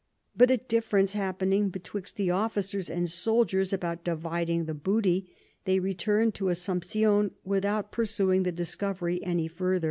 But a Difference happening betwixt the Officers and Soldiers about dividing the Booty, they return'd to Assumption without pursuing the Discovery any further.